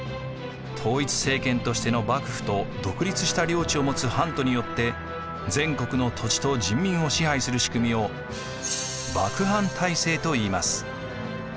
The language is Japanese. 統一政権としての幕府と独立した領地を持つ藩とによって全国の土地と人民を支配する仕組みを幕藩体制といいます。